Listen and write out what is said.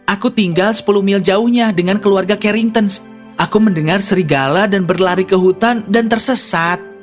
aku tinggal sepuluh mil jauhnya dengan keluarga carrynton aku mendengar serigala dan berlari ke hutan dan tersesat